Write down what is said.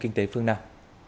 kinh tế phương nam